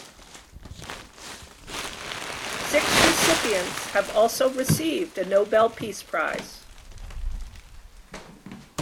Six recipients have also received a Nobel Peace Prize.